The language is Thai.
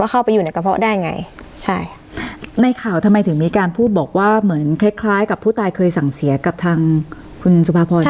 เข้าไปอยู่ในกระเพาะได้ไงใช่ในข่าวทำไมถึงมีการพูดบอกว่าเหมือนคล้ายคล้ายกับผู้ตายเคยสั่งเสียกับทางคุณสุภาพร